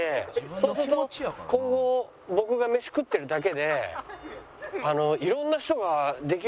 そうすると今後僕がメシ食ってるだけで色んな人ができるじゃないですか。